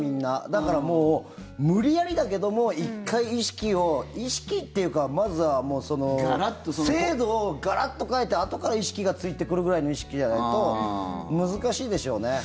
だから、もう無理やりだけども１回意識を意識っていうか制度をガラッと変えてあとから意識がついてくるくらいの意識じゃないと難しいでしょうね。